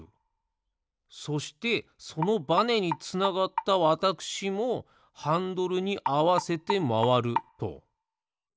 そしてそのバネにつながったわたくしもハンドルにあわせてまわると。